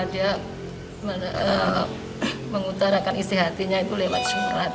dia mengutarakan isi hatinya itu lewat surat